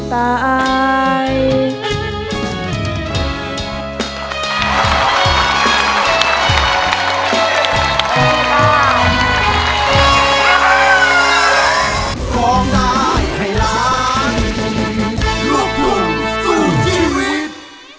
ที่แฟนเก็บจนตาย